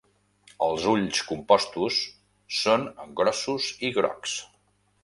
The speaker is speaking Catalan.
Els ulls compostos són grossos i grocs.